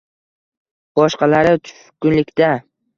boshqalari tushkunlikda: